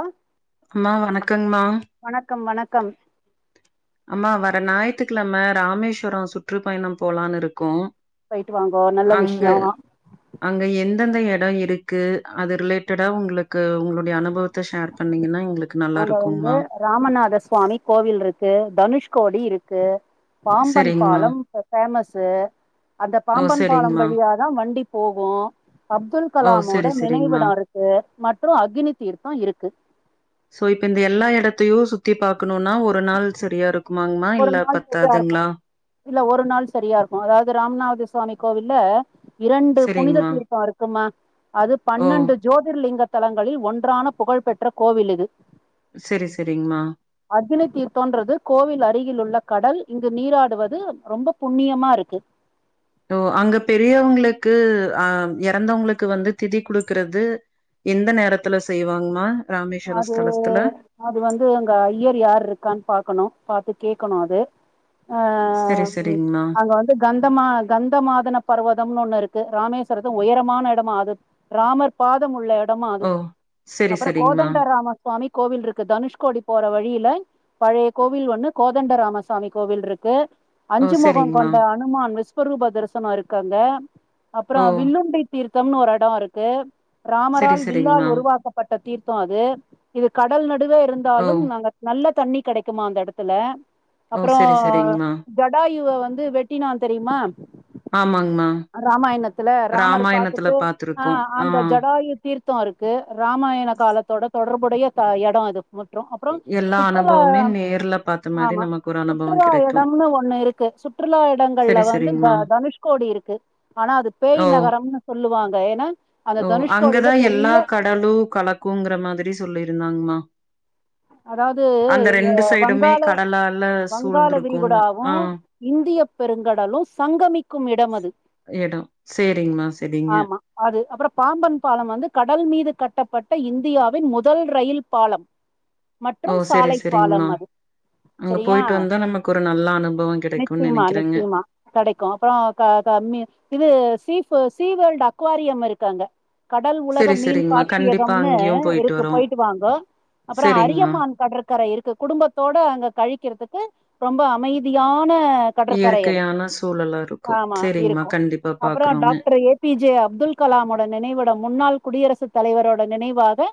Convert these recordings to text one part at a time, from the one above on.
ஆஹ அம்மா வணக் வணக்கம் வணக்கம் அம்மா வர ஞாயித்துக் கிழம ராமேஸ்வரோ சுற்றுப்பயணம் போலான்னு இருக்கோ போயிட்டு வாங்கோ நல்ல விஷயோ அங்கு அங்க எந்தெந்த இடத் ந்த இருக்கு அது ரிலேட்டடா உங்களுக்கு உங்களுடைய அனுபவத்த ஷேர் பண்ணீங்கனா அங்க வந்து ராமநாதர் சுவாமி கோவில் இருக்கு தனுஷ்கோடி இருக்கு பாம்பன் செரிங்மா பாலம் ஃபேமஸீ அந்த ஓ பாம்பன் பாலம் செரிங்மா வழியாதா வண்டி ஓ ஓஹோ அப்துல் ஓ கலாமோட செரி செரிங்மா நினைவிடோ இருக்கு மற்றும் அக்னி தீர்த்தோ இருக்கு போயிட்டு அந்த எல்லா எடத்தையு சுத்தி பாக்கணும்னா ஒரு நாள் செரியா இருக்குமாங் ஒரு நாள் செரியா இருக்கு இல்ல ஒரு நாள் செரியா இருக்கு அதாவது ராமநாதர் சுவாமி கோவில்ல இரண்டு புனித செரிங்மா தீர்த்தோ இருக்குமா அது ஓ பன்னெண்டு ஜோதிர்லிங்க தளங்களில் ஒன்றான புகழ் பெற்ற கோவில் இது செரி செரிங்மா அக்னி தீர்தோன்றது கோவில் அட் அருகில் உள்ள கடல் இங்கு நீராடுவது ரொம்ப புண்ணியமாருக்கு அங்க பெரியவுங்களுக்கு அ இறந்தவுங்களுக்கு வந்து திதி குடுக்குறது எந்த நேரத்துல செய்வாங்மா ராமேஸ்வர அது ஸ்தலத்துல அது வந்து அங்க ஐயர் யார் இருக்கான்னு பாக்கணு பாத்து கேக்கணு அது அ செரி செரிங்மா அங்க வந்து கந்தமா கந்த மாதன பர்வதம்னு ஒண்ணு இருக்கு ராமேஸ்வரத்து உயரமான எடம்மா அது ராமர் பாதம் உள்ள எட ஓ செரி செரி கோதண்டராமர் சுவாமி கோவில் இருக்கு தனுஷ்கோடி போற வழியில பழைய கோவில் ஒண்ணு கோதண்ட ராமசாமி கோவில் இருக்கு ஓ அஞ்சு முகம் செரிங்மா கொண்ட அனுமான் விஸ் விஷ்வரூப தரிசனம் இருக்கு அங்க அப்றோ ஓ வில்லுண்டி தீர்த்தம்னு ஒரு எடோ இருக்கு செரி ராமரால் வில்லால் செரிங்மா உருவாக்கப்பட்ட தீர்த் கு இது கடல் நடுவே ஓ இருந்தாலும் நாங்க நல்ல தண்ணி கிடைக்குமா அந்த இடத்துல ஓ அப்றோ செரி செரிங்மா ஜடாயுவ வந்து வெட்டினான் தெரியுமா ஆமாங்மா ராமாயணத்துல ராமர் ராமாயணத்துல பாத்துட்டு அ பாத்துருக்கோ ஆ அந்த ஜடாயு தீர்த் தோ இருக்கு இராமாயண காலத்தோட தொடர்புடைய எடோ அது மற்றும் அப்றோ எல்லா சுற்றுலா அனுபவமே நேர்ல பாத்த மாரி ஆமா நமக்கு ஒரு அனுபவ சுற்றுலா கெடைக்கு எடம்னு ஒண்ணு இருக்கு சுற்றுலா இடங்கள்ல செரி வந்து செரிங்மா தனுஷ்கோடி இருக்கு ஆனா அது பேய் ஓ நகரம்னு சொல்லுவாங்க ஏன்னா, அந்த ஓ தனுஷ்கோடியில அங்கதா பெரிய எல்லா கடலு கலக்குங்குற மாதிரி சொல்லியிருந்தாங்கமா அதாவது சைடுமே வங்காள கடலால வங்காள சூழ்ந்திருக்குன்னு விரிககுடாவு ஆ இந்தியப் பெருங்கடலு சங்கமிக்கும் இடம் அது எடோ சேரிங்மா சேரிங்க ஆமா. அது. அப்புறம் பாம்பன் பாலம் வந்து கடல் மீது கட்டப்பட்ட இந்தியாவின் முதல் ரயில் பாலம் ஓ மற்றும் செரி சாலை செரிங்மா பாலம் அது அங்க செரியா போயிட்டு வந்தா நமக்கு ஒரு நல்ல அனுபவோ கெடைக்குன் நிச்சியமா நெனைக்கிறேங்க நிச்சியமா கெடைக்கு அப்றோ க க கம்மிய இது சீப்பு சீ வேர்ல்டு அக்வாரியம் இருக்கு அங்க கடல் உலக செரி மீன் செரிங்மா கண்டிப்பா காட்சியகம்னு அங்கயு இருக்கு வரோ போயிட்டு வாங்கோ அப் அப்றோ செரிங்மா அரியமான் கடற்கரை இருக்கு குடும்பத்தோடு அங்க கழிக்கிறதுக்கு ரொம்ப அமைதியா ன கடற்கரை அது நல்லா ‌‌ இருக்கு சேரிங்கமா கண்டிப் அப்றோ doctor A P J Abdul கலாமோட நினைவிடம் முன்னாள் குடியரசு தலைவரோட நினைவாக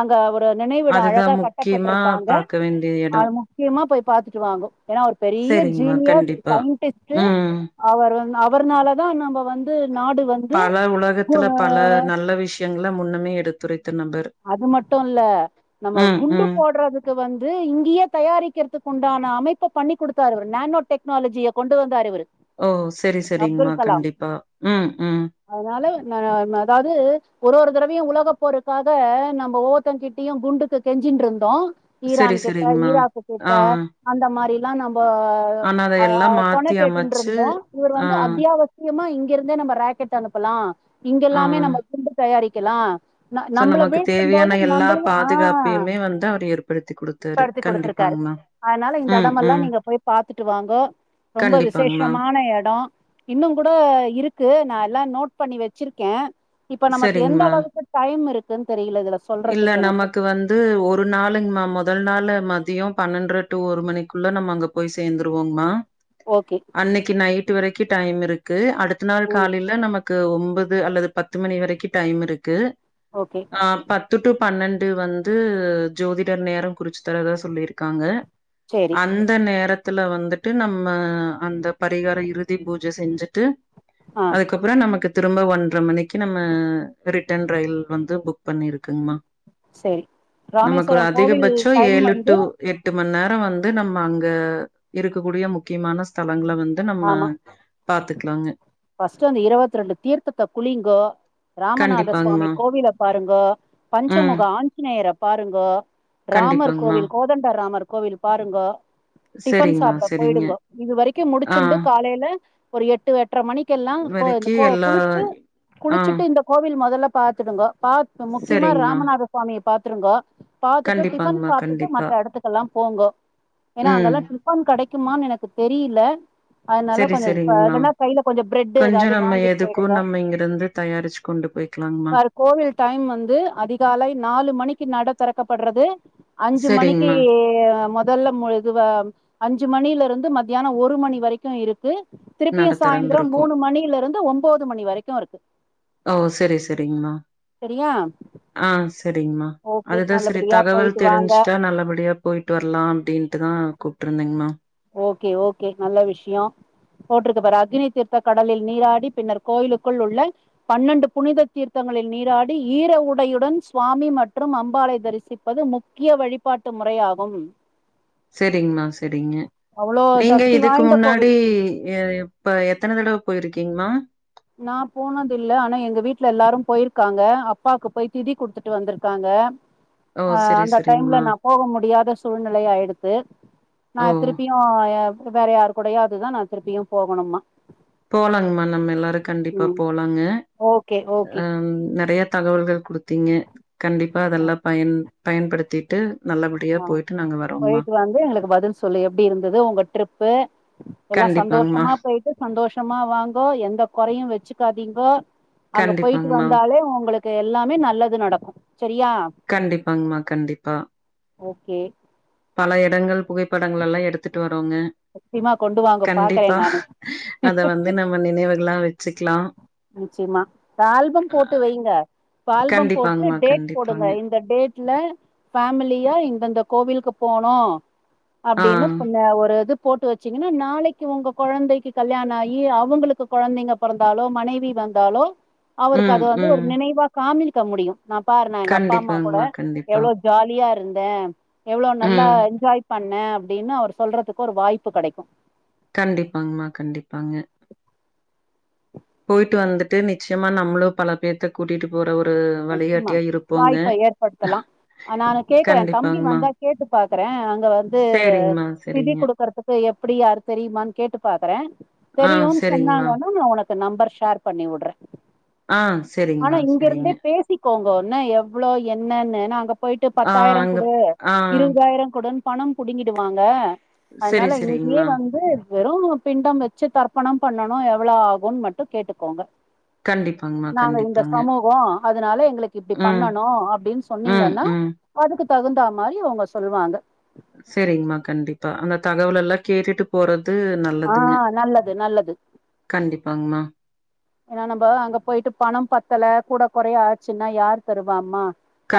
அங்க ஒரு நினைவிடோ அதுதா அழகா முக்கியமா கட்டப்பட்டுருக்காங்க பாக்க வேண்டிய எடோ அது முக்கியமா போய் பாத்துட்டு வாங்க ஏனா அவரு பெரிய செரிங்மா ஜீனியஸ் ஒரு கண்டிப்பா சயின்டிஸ்ட்டு ம் அவர் வந் அவர்னால தா நம்ம வந்து நாடு வந்து பல கு- உலகத்துல பல நல்ல விஷயங்கல முன்னமே எடுத்துரை அது மட்டு இல்ல நம்ம ம் குண்டு ம் போடுறதுக்கு வந் து இங்கேயே தயாரிக்கிறதுக்குண்டான அமைப்ப பண்ணி குடுத்தாரு இவுரு நனோ டெக்னாலஜிய கொண்டு வந்தாரு இவுரு ஓ செரி செரிங்கமா கண்டிப்பா ம் ம் அதுனால ந ம அதாவது ஒரு ஒரு தட இப்பயு உலக போருக்காக நம்ம ஓவ்வொர்தகிட்டியு குண்டுக்கு கெஞ்சீட்ருந்தோ சரி, ஈரான் கிட்ட சரிங்கம்மா. ஈராக்குகிட்ட ஆ. அந்த மாரிலா நம்போ ஆனா அத அ அ எல்லாம் மாத்தி தொணத் அமைச்சு, கேட்டுட்டுருந்தோ இவர் ஆ, வந்து அத்தியாவசியமா இங் ங்கிருந்தே நம்ம ராக்கெட் அனுப்பலா ஆ. இங்கெல்லாமே நம்ம குண்டு தயாரிக்கலா ஸோ நம்பள நமக்கு வீழ்த்தும் தேவையான போது எல்லா நம்பளையு ஆ பாதுகாப்பையுமே வந்து அவர் ஏற்படுத்தி குடுத்தாரு. படுத்தி குடுத்துருக்காரு கண்டிப்பாங்கம்மா. அதனால இந்த ம், எடமெல்லா ம். நீங்க போய் பாத்துட்டு வாங்கோ ரொம்ப கண்டிப்பாங்கம்மா. விசேஷமான எடோ இன்னு கூட இருக்கு நா எல்லா நோட் பண்ணி வச்சிருக்கே இப்ப நமக்கு எந்த சரிங்கம்மா. அளவுக்கு டைம் இருக்குனு தெரியல இதுல இல்ல சொல்றதுக்கு எனக்கு நமக்கு வந்து நாளுங்கம்மா. முதல் நாள மதியோ பண்ணென்ர டூ ஒரு மணிக்குள்ள நம்ம அங்க போயி சேந்துருவோங்மா ஓகே அன்னக்கி நைட் வரைக்கு டைம் இருக்கு அடுத்த நாள் ம் காலேல நமக் கு ஒம்பது அல்லது பத்து மணி வரைக்கு டைம் இருக்கு ஓகே ஆ பத்து டு பன்னெண் டு வந்து ஜோதிடர் நேரம் குறிச்சு தரதா சொல்லிருக்காங்க சேரி அந்த நேரத் துல வந்துட்டு நம்ம அந்த பரிகார இறுதி பூஜ செஞ்சுட்டு ஆ அதுக்கப்பறோ நமக்கு திரும்ப ஒன்ற மணி க்கு நம்ம ரிட்டன் ரயில் வந்து புக் பண்ணிருக்குங்மா சேரி நமக்கு ஒரு ராமேஸ்வரம் கோவில் அதிகபட்சோ டைம் ஏழு வந்து டு எட்டு மண் நே ர வந்து நம்ம அங்க இருக்கக்கூடிய முக்கியமான ஸ்த லங்கள வந்து நம்ம பாத்துக்லாங்க ஃபஸ்ட்டு வந்து இருவத்ரெண்டு தீர்த்தத்த குளிங்கோ ராமநாத சுவாமி கண்டிப்பாங்கம்மா. கோவில பாருங்கோ ம். பஞ்சமுக ஆஞ்சநேயர பாருங்கோ ராமர் கண்டிப்பாங்கம்மா. கோவில் கோதண்ட ராமர் கோவில் பாருங்கோ டிஃபன் சரிங்கம்மா, சாப்ட சரிங்க. போயிடுங்கோ இது வரைக்கு ஆ. முடிச்சுண்டு காலேல ஒரு எட்டு எட் றமணிக்கெல்லா கோ இந்த வரைக்கி கோ எல்லா குளிச்சு ஆ. குளிச்சுட்டு இந்த கோவில் மொதல்ல பாத்துடுங்கோ பாத் இப்ப முக்கியமா சரிங்கம்மா. ராமநாத சுவாமிய பாத்துருங்கோ பாத்துட்டு டிஃபன் கண்டிப்பாங்மா சாப்டுட்டு கண்டிப்பா. மத்த எடத்துக்கெல்லாம் போங்கோ ஏனா ம். அங்கெலா டிஃபன் கெடைக்குமானு எனக்கு தெரில அதனால சரி கொஞ்சோ ப சரிங்மா. என்னனா கைல கொஞ்சோ பிரெட்டு கொஞ்சம் எதாவது நம்ம வாங்கிட் எதுக்கும் போயிடுங்க நம்ம இங்கிருந்து தயாரிச்சு கொண்டு போய்க்கலாங்மா. சார் கோவில் டைம் வந்து அதிகாலை நாலு மணிக்கு நட தெறக்கப்பட்றது அஞ்சு மணிக்கு சரிங்மா. அ மொதல்ல மு இதுவ அஞ்சு மணிலருந் து மத்தியான ஒரு மணி வரைக்கு இருக் கு திருப்பியு நட சாயந்தரோ திறந்திருக்கும். மூணு மணிலருந்து ஒம்போது மணி வரைக்கு இருக்கு ஓ செரி செரிங்கமா ரியாம் அதுதா செரி தகவல் வாங்க தெரிஞ்சுட்டா நல்லபடியா போயிட்டு வர்லா அப்டின்ட்டுதா கூப் புட்டுருந்தேங்ம்மா ஓகே ஓகே நல்ல விஷ்யோ போட்ருக்கு பாரு அக்னி தீர்த்த கடலில் நீராடி பின்னர் கோயிலுக்குள் உள்ள பன்னெண்டு புனித தீர்த்தங் களில் நீராடி ஈர உடையுடன் சுவாமி மற்றும் அம்பாளை தரிசிப்பது முக்கிய வழிபாட்டு மு றையாகும் செரிங்மா செரிங்க நீங்க சக்தி இதுக்கு வாய்ந்த கோவில் முன்னாடி எப்ப எத்தன தடவ போயிருக்கீங்மா நா போனது இல்ல ஆனா எங்க வீட்ல எல்லாரு போயிருக்காங்க அப்பாக்கு போய் திதி குடுத்துட்டு வந்துருக்காங்க ஓ! அ சரி அந்த டைம்ல சரிங்மா. நாம் போக முடியாத சூழ்நிலைய ஆயிடுத்து நா ஓ! திருப்பியு வேற யாரு கூடையாதுதா நா திருப்பியு போகணுமா போலாங்ம்மா நம்ம எல்லாரு கண்டிப்பா ம் போலாங்க ஓகே ஓகே அ நெறயா தகவல்கள் கொடுத்தீங்க கண்டிப்பா அதெல்லா பயன் பயன்படுத்திட்டு நல்லபடியா ஆ போயிட்டு நாங்க வரோம்மா. போயிட்டு வந்து எங்களுக்கு பதில் சொல்லு எப்டி இருந்தது உங்க ட்ரிப்பு எல்லா கண்டிப்பாங்கம்மா, சந்தோஷமா போயிட்டு சந்தோஷமா வாங்கோ எந்த கொறையு வச்சுக்காதீங்கோ அங்க போயிட்டு கண்டிப்பாங்கம்மா, வந்தாலே உங்களுக்கு எல்லாமே நல்லது நடக்கு சரியா கண்டிப்பாங்மா கண்டிப்பா ஓகே பல எடங்கள் புகைப்படங்களல்லா எடுத்துட்டு வ நிச்சயமா கொண்டு வாங்க பாக்குறே கண்டிப்பா நானு அத வந்து நம்ம நினைவுகளா வச் நிச்சயமா ஆல்பம் அ போட்டு வைங்க இப்ப ஆல்பம் போட்டு கண்டிப்பாங்கம்மா, டேட் போடுங்க கண்டிப்பாங்க. இந்த டேட் வீட்ல ஃபேமிலியா இந்தந்த கோவிலுக்கு போனோ ஆ. அப்படின்னு ஒரு இது போட்டு வச்சீங்கன்னா நாளைக்கு உங்க கொழந்தைக்கு கல்யாண ஆகி அவங்களுக்கு குழந்தைங்க பொறந்தாலோ மனைவி வந்தாலோ அவருக்கு ம், அத வந்து ஒரு ம். நினைவா காமிக்க முடியு நா பார் எங்க அப்பா அம்மா கூட கண்டிப்பாங்கம்மா, கண்டிப்பா. எவ்ளோ ஜாலியா இருந்தே எவ்ளோ நல்லா ம். என்ஜாய் பண்ணே அப்படின்னு அவர் சொல்றதுக்கு ஒரு வாய்ப்பு கடைக்கு கண்டிப்பாங்மா கண்டிப்பாங்க போயிட்டு வந்துட்டு நிச்சயமா நம்மளு பல பேத்துக் கூட்டிட்டு போற ஒரு வழிகாட்டியா இருப்போங்க அ நா கேக்குறே தம்பி கண்டிப்பாங்கம்மா. வந்தா கேட்டு பாக்குறே அங்க வந்து சேரிங்மா திதி செரிங்க குடுக்கறதுக்கு எப் அப்படி யாரு தெரியுமான்னு கேட்டு பாக்குறே ஆ தெரியுன்னு செரிங்மா சொன்னாங்கன்னா நா உனக் ப நம்பர்ஷேர் பண்ணி உட்றே ஆ செரிங்மா ஸ் இங்க இருந்தே பேசிக்கோங்க என்ன எவ்ளோ என்னன்னு அங்க போயிட்டு ஆ பத்தாயிர அங்க குடு ஆ இருவதாயிர கொடுன்னு பண புடிங்கிடுவாங்க செரி அதனால இங்கயே செரிங்மா வந்து வெறு பிண்டம் வச்சு தர்ப்பணம் பண்ணணு எவ்ளோ ஆகு மட்டு கேட்டுக்கோங்க கண்டிப்பாங்மா நாங்க இந்த கண்டிப்பாங்க சமூகம் அதனால எங்களுக்கு இப்டி ம் பண்ணணு அப்டின்னு ம் சொன்னீங்கன்னா ம் அதுக்கு தகுந்தா மாரி அவங்க சொல்லுவாங்க செரிங்மா கண்டிப்பா அந்த தகவல் எல்லா கேட்டுட்டு போறத் து ஆ நல்லதுங்க நல்லது நல்லது கண்டிப்பாங்மா ஏன்னா நம்ம அங்க போயிட்டு பணம் பத்தல கூட கொறைய ஆச்சுன்னா யார் தருவாமா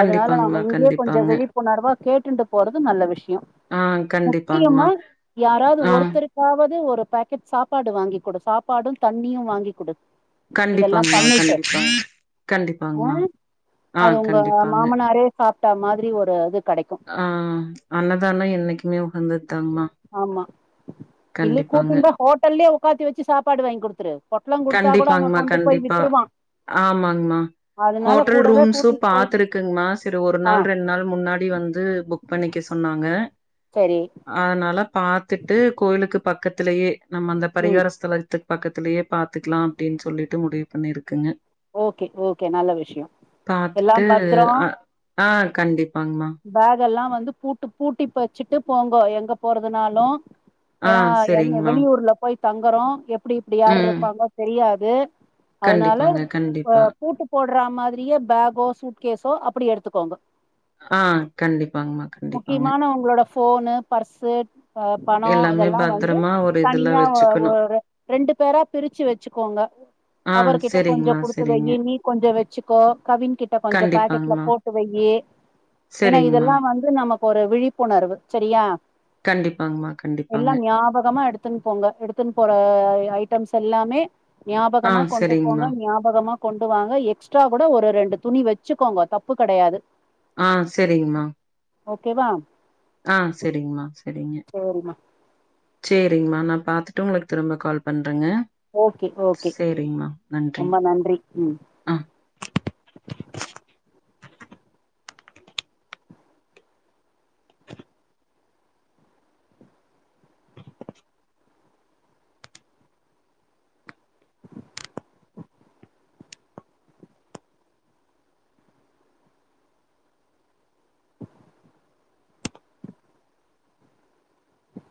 அதனால நாம இங்கேயே கொஞ்ச கண்டிப்பாங்க விழிப்புணர்வா கேட்டுன்டு போறது நல்ல விஷய ஆ கண்டிப்பாங்மா முக்கியமா யாராவது ஆ ஒருத்தருக்காவது ஒரு பாக்கெட் சாப்பாடு வாங்கி் கொடு சாப்பாடு தண்ணியு வாங்கி் கொடு இதெல்லாம் கண்டிப்பாங்மா பண்ணிட்டு கண்டிப்பா ஆ கண்டிப்பாங்மா ஆ அது உங்க கண்டிப்பாங்க மாமனாரே சாப்ட்டா மாரி ஒரு அது ஆ அண்ணதான என்னைக்குமே உகந்தது ஆமா இல்ல கண்டிப்பாங்க கூட்டின்ற ஹோட்டல்லயே உக்க்காத்தி வச்சு சாப்பாடு வாங்கி கொடுத்துரு பொட்லோ கொடுத்தா கூட அவ கண்டிப்பாங்மா கொண்டு போய் கண்டிப்பா. வி்த்ருவா ஆமாங்மா ஹோட்டல் ரூம்ஸு கூட்டிட்டு போய் பாத்துருக்ங்மா செரி ஒரு ஆ நாள் ரெண்ட் நாள் முன்னாடி வந்து புக் பண்ணிக்க சொ சொன்னாங்க சரி ஆனால பாத்துட்டு கோயிலுக்கு பக்கத்திலயே நம்ம அந்த ம் பரிகாரஸ்தலத்துக்கு பக்கத்திலயே பாத்துக்லா அப்டின் சொல்லிட்டு முடிவு பண்ணிருக்குங்க ஓகே ஓகே நல்ல விஷயோ பாத்துட்டு எல்லாம் பத்தரோ அ ஆ கண்டிப்பாங்கமா இதெல்லா வந்து பூட்டு பூட்டி வச்சுட்டு போங்கோ எங்க போறதுனாலு ஆ ஏன்னா என்ன சரிங்மா. வெளியூர்ல போய் தங்கறோ எப்டி இப்டி யாரு ம். இருப்பாங்கோ தெரியாது அதனால கண்டிப்பாங்க அ கண்டிப்பா. பூட்டு போட் ற மாதிரியே பேகோ சூட் கேஸோ அப்டி எடுத்துக்கோங்க ஆ கண்டிப்பாங்கமா கண்டிப்பாங்க முக்கியமான உங்களோட ஃபோனு பர்ஸு அ பணோ எல்லாமே இதெல்லா வந்து பத்திரமா ஒரு இதுல தனியா ஒ வச்சுக்கணும். ஒரு ரெண்டு பேரா பிரிச்சு வச்சுக்கோங்க ஆ அவர் கிட்ட கொஞ்சோ சரிங்மா குடுத்து சரிங்க. வையி நீ கொஞ்சோ வச்சுக்கோ கவின் கிட்ட கொஞ்சோ பாக்கெட்ல கண்டிப்பாங்மா. போட்டு வையி ஏ ஏன்னா சரிங்கம்மா இதெல்லா வந்து நமக்கு ஒரு விழிப்புணர்வு சேரியா கண்டிப்பாங்கம்மா கண்டிப்பாங்க. எல்லா ஞாபகமா எடுத்துன் போங்க எடுத்துன் போற ஐட் டம்ஸ் எல்லாமே ஆ ஞாபகமா கொண்டு போங்க சரிங்கம்மா. ஞாபகமா கொண்டு வாங்க எக்ஸ்ட்ரா கூட ஒரு ரெண்டு துணி வெச்சுக்கோங்க தப்பு கெடையாது ஆ சேரிங்மா ஓகேவா ஆ சேரிங்மா சேரிமா சேரிங்மா நா பாத்துட்டு உங்களுக்கு திரும்ப கால் பண் றங்க ஓகே ஓகே சேரிங்மா ரொம்ப நன்றிங் நன்றி ம் ஆ